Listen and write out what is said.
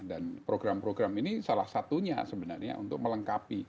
dan program program ini salah satunya sebenarnya